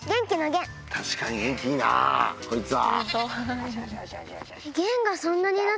確かに元気いいなこいつは。